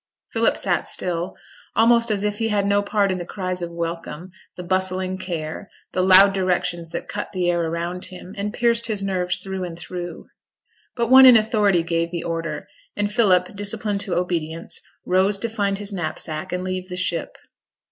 Philip sat still, almost as if he had no part in the cries of welcome, the bustling care, the loud directions that cut the air around him, and pierced his nerves through and through. But one in authority gave the order; and Philip, disciplined to obedience, rose to find his knapsack and leave the ship.